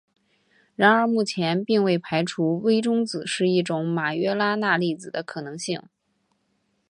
然而目前并未排除微中子是一种马约拉纳粒子的可能性。